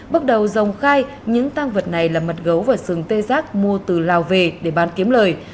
bước đầu dòng khai những tăng vật này là mật gấu và sừng tê giác mua từ lào về để bán kiếm lời